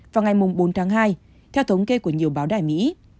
vào ngày bốn tháng hai theo thống kê của nhiều báo đài mỹ